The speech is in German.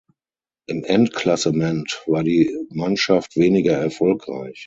Im Endklassement war die Mannschaft weniger erfolgreich.